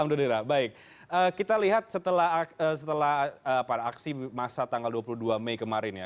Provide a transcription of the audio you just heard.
alhamdulillah baik kita lihat setelah aksi masa tanggal dua puluh dua mei kemarin ya